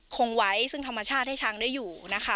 คงไว้ซึ่งธรรมชาติให้ช้างได้อยู่นะคะ